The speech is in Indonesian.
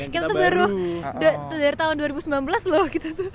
kita baru dari tahun dua ribu sembilan belas loh